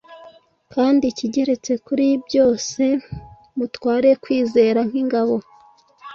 kandi ikigeretse kuri byose mutware kwizera nk’ingabo